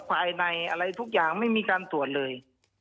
ภายในอะไรทุกอย่างไม่มีการตรวจเลย